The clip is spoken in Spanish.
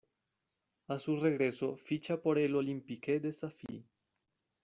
A su regreso ficha por el Olympique de Safi.